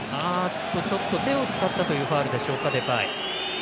ちょっと手を使ったというファウルでしょうか、デパイ。